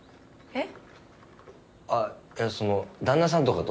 えっ。